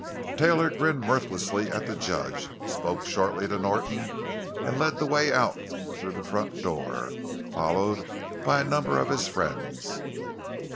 Taylor grinned mirthlessly at the judge, spoke shortly to Norton, and led the way out through the front door, followed by a number of his friends.